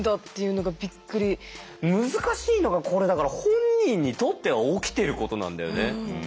難しいのがこれだから本人にとっては起きていることなんだよね。